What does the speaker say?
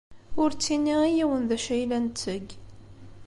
Ur ttini i yiwen d acu ay la ntteg.